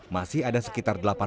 masih ada sekitar delapan ratus